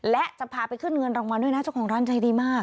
และจะพาไปขึ้นเงินรางวัลด้วยนะเจ้าของร้านใจดีมาก